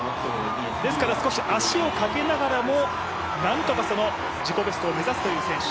少し足をかけながらも、なんとか自己ベストを目指すという選手。